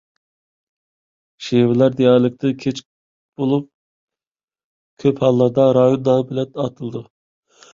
شېۋىلەر دىئالېكتتىن كىچىك بولۇپ، كۆپ ھاللاردا رايون نامى بىلەن ئاتىلىدۇ.